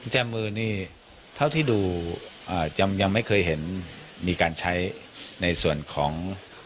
แจมมือนี่เท่าที่ดูยังไม่เคยเห็นมีการใช้ในส่วนของ